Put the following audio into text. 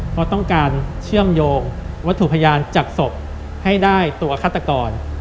เพราะต้องการเชื่อมโยงวัตถุพยานจากศพให้ได้ตัวฆาตกร